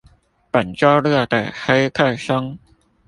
本週六的黑客松